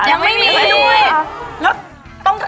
ยังไม่มีด้วย